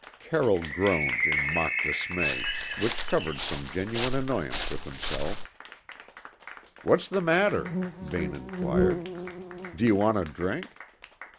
Carroll groaned in mock dismay, which covered some genuine annoyance with himself. "What's the matter?" Vane inquired. "Do you want a drink?"